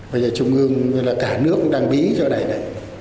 bây giờ trung ương là cả nước đang bí cho đẩy này